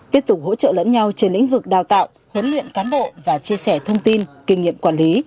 tiếp tục hỗ trợ lẫn nhau trên lĩnh vực đào tạo huấn luyện cán bộ và chia sẻ thông tin kinh nghiệm quản lý